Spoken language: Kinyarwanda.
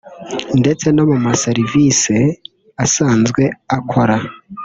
ndetse no mu maserivisi asanzwe akora